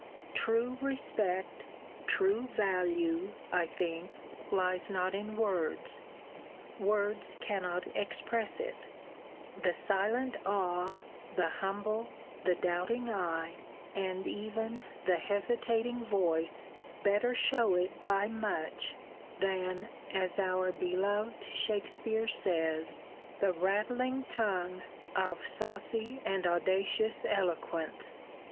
True respect, true value, I think, lies not in words: words cannot express it: the silent awe, the humble, the doubting eye, and even the hesitating voice, better shew it by much, than, as our beloved Shakespeare says, The rattling tongue Of saucy and audacious eloquence.